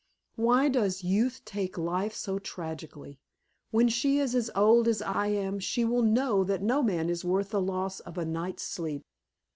Why does youth take life so tragically? When she is as old as I am she will know that no man is worth the loss of a night's sleep."